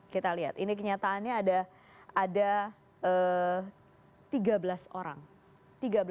kita lihat ini kenyataannya ada tiga belas orang